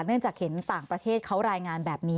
จากเห็นต่างประเทศเขารายงานแบบนี้